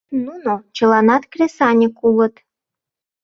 Нуно чыланат кресаньык улыт!